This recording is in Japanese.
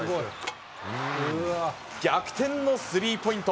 逆転のスリーポイント。